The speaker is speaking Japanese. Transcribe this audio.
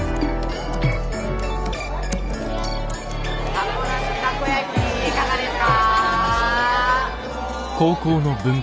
タコなしタコ焼きいかがですか？